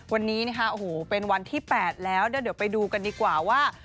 วันนี้นะคะโอ้โหเป็นวันที่๘แล้วเดี๋ยวไปดูกันดีกว่าว่า